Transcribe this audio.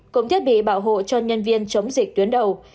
cùng thiết bị bảo hộ cho nhân viên chống dịch tuyến đầu